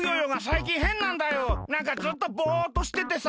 なんかずっとぼっとしててさ